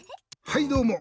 はいどうも！